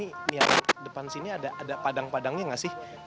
ini yang depan sini ada padang padangnya nggak sih